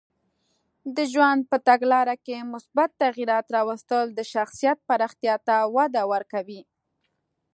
د ژوند په تګلاره کې مثبت تغییرات راوستل د شخصیت پراختیا ته وده ورکوي.